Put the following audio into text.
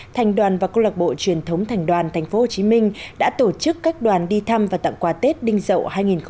thành đoàn và câu lạc bộ truyền thống thành đoàn tp hcm đã tổ chức các đoàn đi thăm và tặng quà tết đinh dậu hai nghìn hai mươi